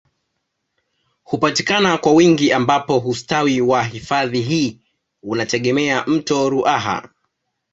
Hupatikana kwa wingi ambapo hustawi wa hifadhi hii unategemea mto ruaha